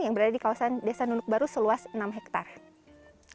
yang berada di kawasan desa nunuk baru seluas enam hektare